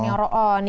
jangan yang roll on